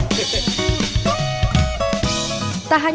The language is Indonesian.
tahannya cukup rekening